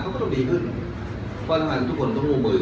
ก็ต้องดีเพราะว่าต้องกลัวมือ